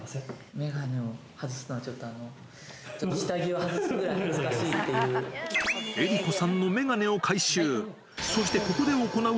眼鏡を外すのは、ちょっと、あの、下着を外すぐらい恥ずかしいっていう。